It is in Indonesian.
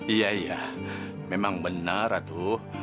iya iya memang benar ratu